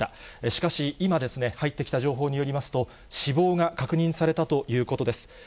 しかし、今ですね、入ってきた情報によりますと、死亡が確認されたということです。